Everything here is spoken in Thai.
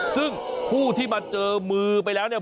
ซึ่งผู้ที่มาเจอมือไปแล้วเนี่ย